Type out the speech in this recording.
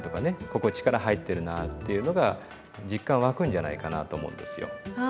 ここ力入ってるなっていうのが実感湧くんじゃないかなと思うんですよ。